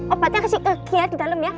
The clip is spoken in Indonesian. obatnya kasih ke gia di dalam ya